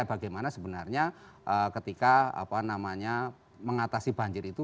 bagaimana sebenarnya ketika apa namanya mengatasi banjir itu